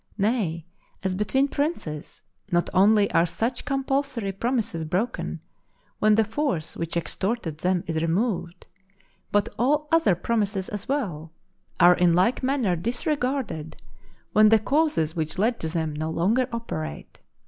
Nay, as between princes, not only are such compulsory promises broken when the force which extorted them is removed, but all other promises as well, are in like manner disregarded when the causes which led to them no longer operate.